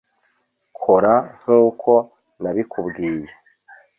kora nkuko nabikubwiye